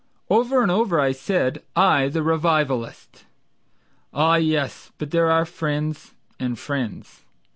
Over and over I said, I, the revivalist. Ah, yes! but there are friends and friends.